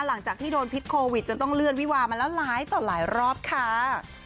หลังจากที่โดนพิษโควิดจนต้องเลื่อนวิวามาแล้วหลายต่อหลายรอบค่ะ